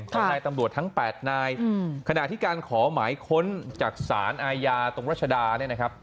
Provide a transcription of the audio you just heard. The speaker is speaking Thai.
ตำแหน่งตำรวจทั้ง๘นายขณะที่การขอหมายค้นจากสารอายาตรงรัชดา